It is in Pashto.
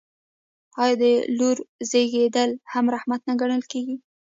آیا د لور زیږیدل هم رحمت نه ګڼل کیږي؟